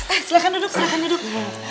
ah silahkan duduk silahkan duduk